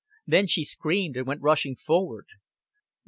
Then she screamed, and went rushing forward.